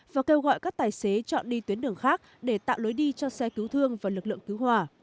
và kêu gọi các tài xế chọn đi tuyến đường khác để tạo lối đi cho xe cứu thương và lực lượng cứu hỏa